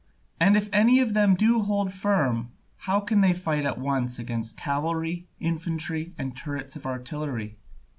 And if any of them do hold firm, how can they fight at once against cavalry, infantry, and turrets of artillery?